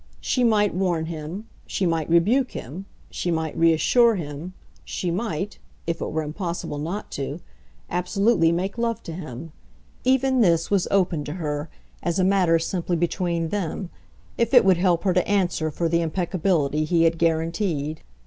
She might warn him, she might rebuke him, she might reassure him, she might if it were impossible not to absolutely make love to him; even this was open to her, as a matter simply between them, if it would help her to answer for the impeccability he had guaranteed.